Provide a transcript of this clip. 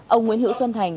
ông nguyễn hữu xuân thành